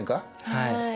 はい。